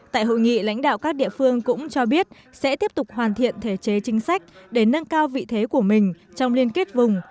tại hội nghị lãnh đạo các địa phương cũng cho biết sẽ tiếp tục hoàn thiện thể chế chính sách để nâng cao vị thế của mình trong liên kết vùng